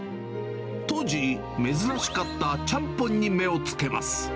当時、珍しかったちゃんぽんに目をつけます。